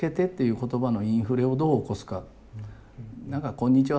「こんにちは」